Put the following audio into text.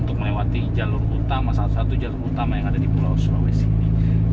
untuk melewati jalur utama salah satu jalur utama yang ada di pulau sulawesi ini